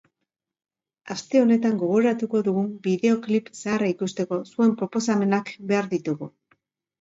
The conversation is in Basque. Aste honetan gogoratuko dugun bideoklip zaharra ikusteko, zuen proposamenak behar ditugu!